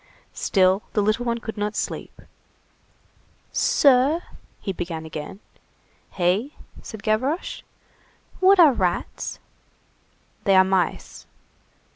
Still the little one could not sleep. "Sir?" he began again. "Hey?" said Gavroche. "What are rats?" "They are mice."